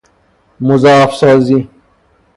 مضاعف سازی